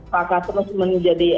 maka terus menjadi